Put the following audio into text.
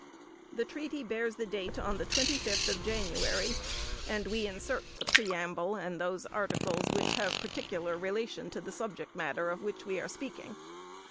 The treaty bears date on the twenty fifth of January; and we insert the preamble and those articles which have particular relation to the subject matter of which we are speaking.